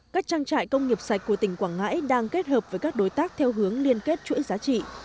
các trang trại công nghiệp sạch của tỉnh quảng ngãi đang kết hợp với các đối tác theo hướng liên kết chuỗi giá trị